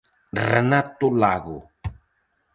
-Renato Lago!